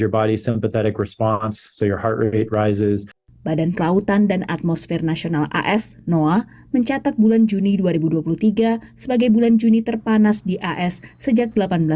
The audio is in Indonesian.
badan kelautan dan atmosfer nasional as noa mencatat bulan juni dua ribu dua puluh tiga sebagai bulan juni terpanas di as sejak seribu delapan ratus sembilan puluh